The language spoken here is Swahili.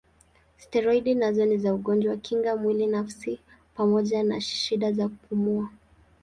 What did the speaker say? Steroidi nazo ni za ugonjwa kinga mwili nafsi pamoja na shida za kupumua.